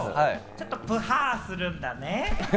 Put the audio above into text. ちょっとプハするんだね。